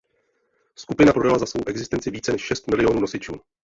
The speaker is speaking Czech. Skupina prodala za svou existenci více než šest milionů nosičů.